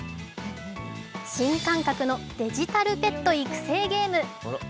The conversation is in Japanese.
新感覚のデジタルペット育成ゲーム。